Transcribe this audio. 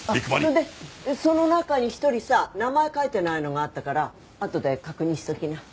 それでその中に１人さ名前書いてないのがあったからあとで確認しときな。